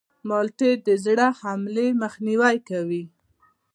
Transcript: مالټې د زړه د حملې مخنیوی کوي.